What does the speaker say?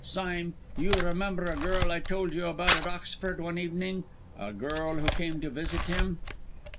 Sime, you remember a girl I told you about at Oxford one evening, a girl who came to visit him?"